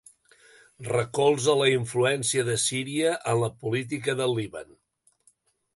Recolza la influència de Síria en la política del Líban.